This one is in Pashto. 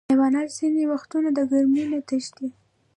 حیوانات ځینې وختونه د ګرمۍ نه تښتي.